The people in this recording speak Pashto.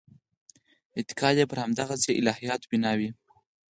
اعتقاد یې پر همدغسې الهیاتو بنا وي.